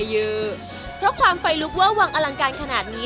เพราะความไฟลุบว่างอลังการขนาดนี้